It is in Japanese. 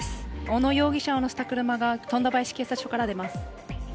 小野容疑者を乗せた車が富田林警察署から出ます。